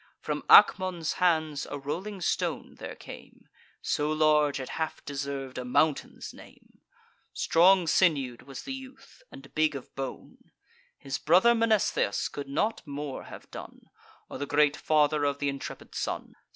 From Acmon's hands a rolling stone there came, So large, it half deserv'd a mountain's name: Strong sinew'd was the youth, and big of bone; His brother Mnestheus could not more have done, Or the great father of th' intrepid son.